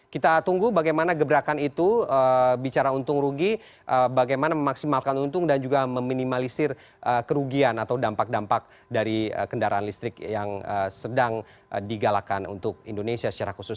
kita tunggu bagaimana gebrakan itu bicara untung rugi bagaimana memaksimalkan untung dan juga meminimalisir kerugian atau dampak dampak dari kendaraan listrik yang sedang digalakan untuk indonesia secara khusus